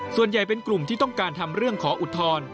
ส่วนใหญ่เป็นกลุ่มที่ต้องการทำเรื่องขออุทธรณ์